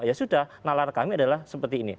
ya sudah nalar kami adalah seperti ini